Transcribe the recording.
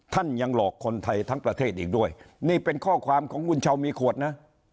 ท่านยังหลอกคนไทยทั้งประเทศอีกด้วยนี่เป็นข้อความของวุญชาวมีขวดนะ